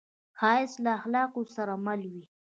ښایست له اخلاقو سره مل وي